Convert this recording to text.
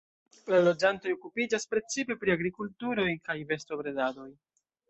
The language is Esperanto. La loĝantoj okupiĝas precipe pri agrikulturoj kaj bestobredadoj.